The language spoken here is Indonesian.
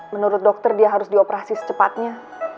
menurut dokter dia harus dioperasi secepatnya